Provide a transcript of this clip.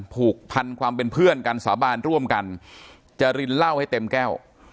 ผูกพันความเป็นเพื่อนกันสาบานร่วมกันจรินเหล้าให้เต็มแก้ว